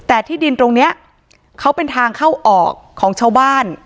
แต่ที่ดินตรงนี้เขาเป็นทางเข้าออกของชาวบ้าน